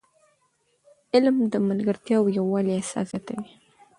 علم د ملګرتیا او یووالي احساس زیاتوي.